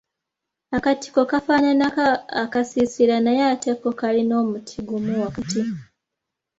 Akatiko kafaananako akasiisira naye ate ko kaliko omuti gumu wakati.